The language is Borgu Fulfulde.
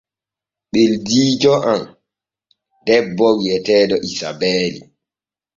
Ɓeldiijo am debbo wi’etee Isabeeli.